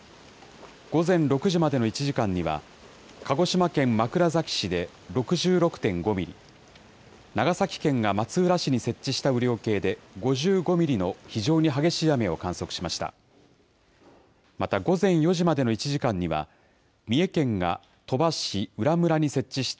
午前６時までの１時間には、鹿児島県枕崎市で６６．５ミリ、長崎県が松浦市に設置した雨量計で５５ミリの非常に激しい雨を観測しました。